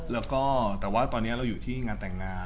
แล้วก็แต่ว่าตอนนี้เราอยู่ที่งานแต่งงาน